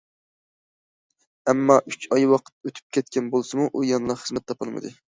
ئەمما ئۈچ ئاي ۋاقىت ئۆتۈپ كەتكەن بولسىمۇ، ئۇ يەنىلا خىزمەت تاپالمىدى.